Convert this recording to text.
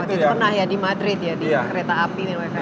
waktu itu pernah ya di madrid ya di kereta api